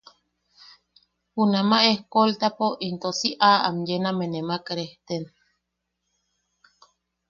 Junamaʼa eskoltapo into si am am yename nemak rejten.